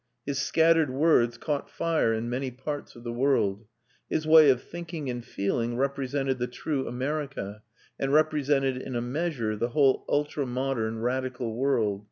His scattered words caught fire in many parts of the world. His way of thinking and feeling represented the true America, and represented in a measure the whole ultra modern, radical world.